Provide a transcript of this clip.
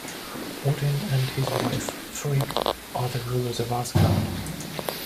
Odin and his wife, Frigg, are the rulers of Asgard.